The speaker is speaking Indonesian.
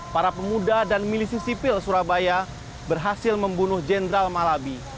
para pemuda dan milisi sipil surabaya berhasil membunuh jenderal malabi